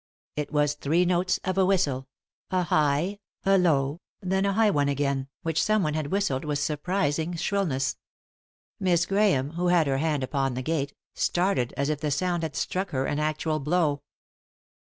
It was three notes of a whistle ; a high, a low, then a high one again, which someone had whistled with surprising shrillness. Miss Grahame, who had her hand upon the gate, started as if the sound had struck her an actual blow.